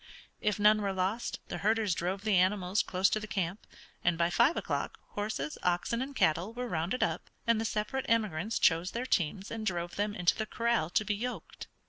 If none were lost the herders drove the animals close to the camp, and by five o'clock horses, oxen, and cattle were rounded up, and the separate emigrants chose their teams and drove them into the corral to be yoked.